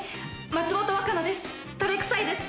松本若菜です。